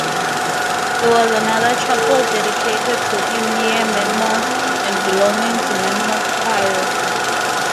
There was another chapel dedicated to him near Monmouth and belonging to Monmouth Priory.